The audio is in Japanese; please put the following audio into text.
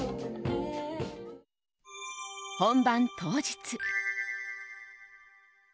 本番当日。